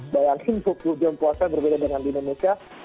bayangin dua puluh jam puasa berbeda dengan di indonesia